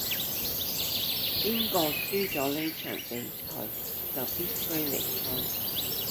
邊個輸咗呢場比賽就必須離開